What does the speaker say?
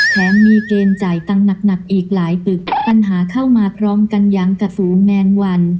มีเกณฑ์จ่ายตังค์หนักอีกหลายตึกปัญหาเข้ามาพร้อมกันยังกระสูแมนวัน